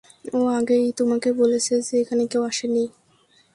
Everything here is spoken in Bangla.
ও আগেই তোমাকে বলেছে এখানে কেউ আসে নি।